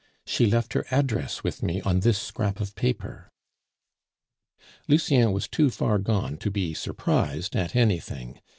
She left her address with me on this scrap of paper." Lucien was too far gone to be surprised at anything.